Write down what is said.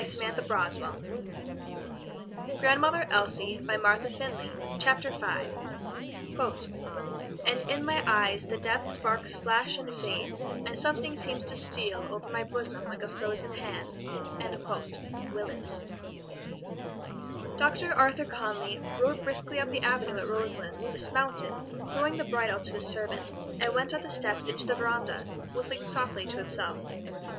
CHAPTER V. "I feel Of this dull sickness at my heart afraid And in my eyes the death sparks flash and fade And something seems to steal Over my bosom like a frozen hand." Willis. Dr. Arthur Conly rode briskly up the avenue at Roselands, dismounted, throwing the bridle to a servant, and went up the steps into the veranda, whistling softly to himself.